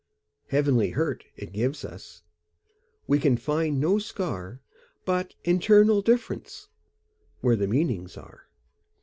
Heavenly hurt it gives us; We can find no scar, But internal differenceWhere the meanings are.